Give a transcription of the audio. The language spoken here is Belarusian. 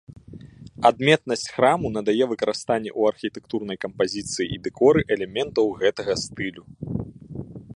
Адметнасць храму надае выкарыстанне ў архітэктурнай кампазіцыі і дэкоры элементаў гэтага стылю.